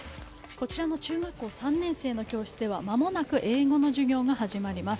こちらの中学校３年生の教室ではまもなく英語の授業が始まります。